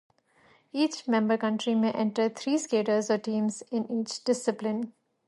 Each member country may enter three skaters or teams in each discipline.